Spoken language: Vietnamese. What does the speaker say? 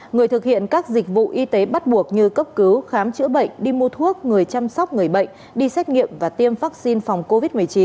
người thực hiện các dịch vụ y tế bắt buộc như cấp cứu khám chữa bệnh đi mua thuốc người chăm sóc người bệnh đi xét nghiệm và tiêm vaccine phòng covid một mươi chín